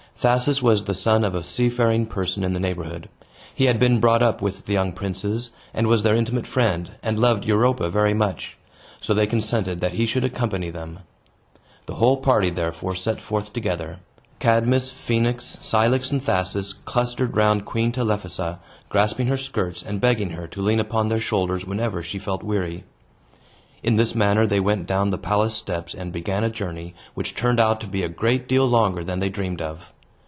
Thasus was the son of a seafaring person in the neighborhood; he had been brought up with the young princes, and was their intimate friend, and loved Europa very much; so they consented that he should accompany them. The whole party, therefore, set forth together. Cadmus, Phoenix, Cilix, and Thasus clustered round Queen Telephassa, grasping her skirts, and begging her to lean upon their shoulders whenever she felt weary. In this manner they went down the palace steps, and began a journey, which turned out to be a great deal longer than they dreamed of.